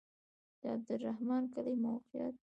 د عبدالرحمن کلی موقعیت